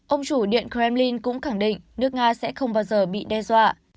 ông chủ điện kremlin cũng khẳng định nước nga sẽ không bao giờ bị đe dọa